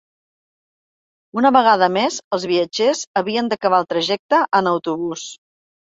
Una vegada més, els viatgers havien d’acabar el trajecte en autobús.